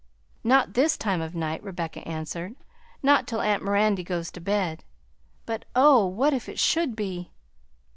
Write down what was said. "Not this time of night," Rebecca answered; "not till aunt Mirandy goes to bed; but oh! what if it should be?"